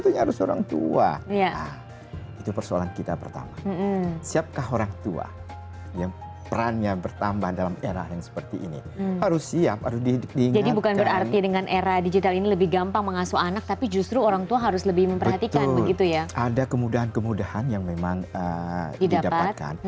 juga ada kalau ini juga masih banyak